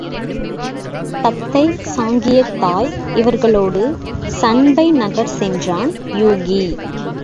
தத்தை, சாங்கியத் தாய் இவர்களோடு சண்பை நகர் சென்றான் யூகி.